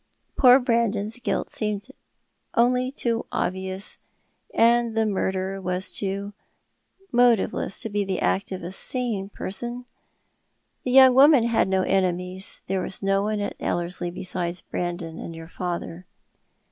Poor Brandon's guilt seemed only too obvious. And Coralies Private Diai'y contiimed. 257 the murder was too motiveless to be the act of a sane person. The young woman bad no enemies. There was no one at Ellerslie besides Brandon and your father."